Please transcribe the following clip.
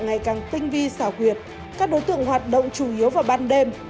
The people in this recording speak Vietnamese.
ngày càng tinh vi xảo quyệt các đối tượng hoạt động chủ yếu vào ban đêm